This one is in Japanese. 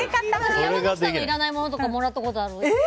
山崎さんにいらないものもらったことある。